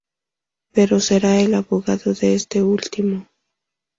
Pero será el abogado de este último.